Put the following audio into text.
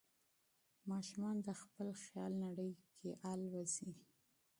ماشومان د خپل خیال نړۍ کې پرواز کوي.